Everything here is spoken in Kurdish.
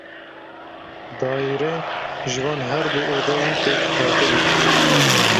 Daîre ji van her du odeyan pêk hatibû.